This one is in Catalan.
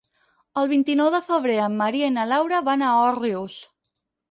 El vint-i-nou de febrer en Maria i na Laura van a Òrrius.